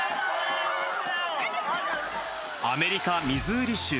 アメリカ・ミズーリ州。